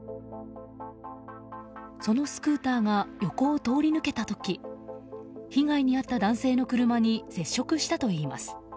そのスクーターが横を通り抜けた時被害に遭った男性の車に接触したといいます。